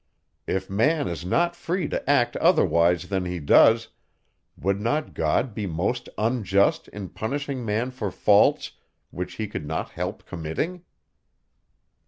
If man is not free to act otherwise than he does, would not God be most unjust, in punishing man for faults, which he could not help committing.